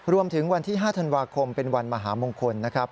วันที่๕ธันวาคมเป็นวันมหามงคลนะครับ